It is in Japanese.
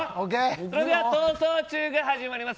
それでは「逃走中」が始まります。